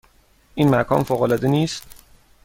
این مکان فوق العاده نیست؟